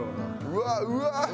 うわうわっ！